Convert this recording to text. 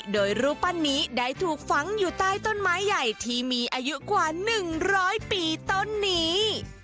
โดยรูปปั้นนี้ได้ถูกฝังอยู่ใต้ต้นไม้ใหญ่ที่มีอายุกว่า๑๐๐ปีต้นนี้